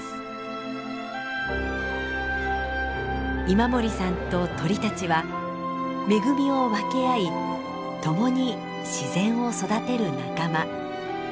今森さんと鳥たちは恵みを分け合い共に自然を育てる仲間。